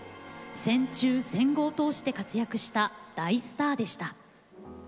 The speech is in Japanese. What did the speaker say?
戦中戦後を通して活躍した大スターでした。